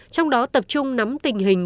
trong đó tập trung nắm tình hình